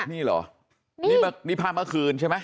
นี่เหรอนี่ภาพเมื่อคืนใช่ไหม